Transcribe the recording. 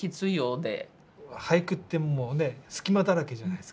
俳句ってもうね隙間だらけじゃないですか。